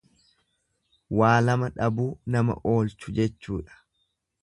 Waa lama dhabuu namaa oolchu jechuudha.